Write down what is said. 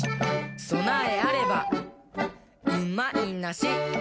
「そなえあればうまいなし！」